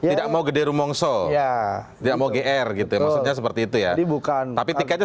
tidak mau gede rumongso tidak mau gr gitu maksudnya seperti itu ya bukan tapi tiketnya